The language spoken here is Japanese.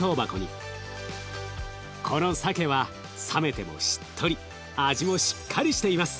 このさけは冷めてもしっとり味もしっかりしています。